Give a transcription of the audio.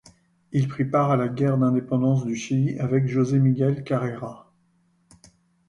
Il prit part à la guerre d'Indépendance du Chili avec José Miguel Carrera.